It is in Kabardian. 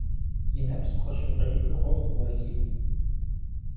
И нэпс къыщыфӀекӀуи къохъу Уэлий.